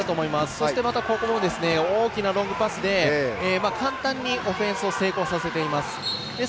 そしてまた大きなロングパスで簡単にオフェンスを成功させています。